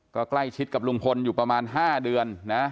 ก็ใกล้ชิดกับลุงพลอยู่ประมาณ๕เดือนนะ